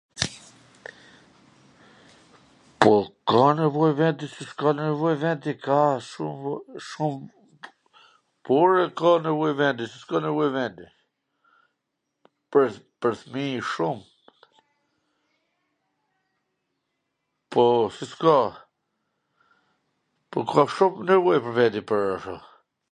Po, ka nevoj vendi, si s ka nevoj vendi, ka shum, po, ore, ka nevoj vendi, si s ka nevoj vendi, pwr fmij shum, po, si s ka, po ka shum nevoj vendi pwr ashtu ...